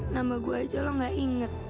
nama saya saja kamu tidak ingat